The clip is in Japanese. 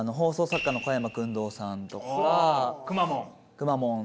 くまモン！